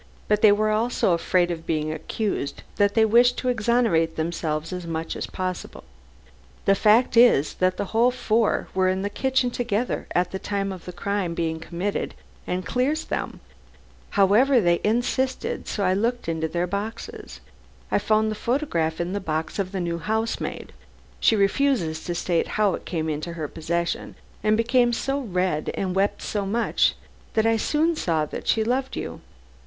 But they were all so afraid of being accused, that they wished to exonerate themselves as much as possible. The fact that the whole four were in the kitchen together at the time the crime was committed quite clears them. However, they insisted, so I looked into their boxes. I found this photograph in the box of the new housemaid. She refused to state how it came into her possession, and became so red, and wept so much, that I soon saw that she loved you."